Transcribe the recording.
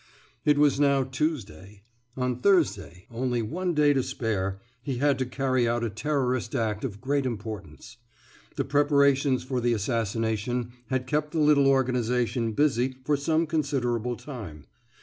It was now Tuesday. On Thursday only one day to spare he had to carry out a terrorist act of great importance. The preparations for the assassination had kept the little organization busy for some considerable time.